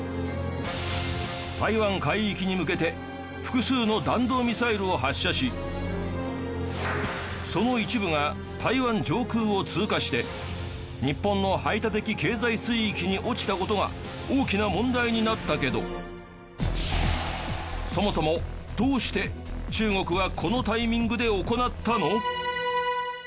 台湾海域に向けて複数の弾道ミサイルを発射しその一部が台湾上空を通過して日本の排他的経済水域に落ちたことが大きな問題になったけどそもそも、どうして中国はこのタイミングで行ったの？